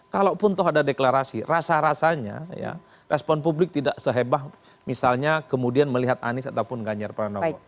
kalaupun ada deklarasi rasa rasanya respon publik tidak sehebah misalnya kemudian melihat anies ataupun ganjar prabowo